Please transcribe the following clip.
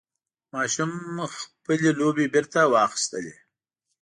ماشوم خپل لوبعې بېرته واخیستلې.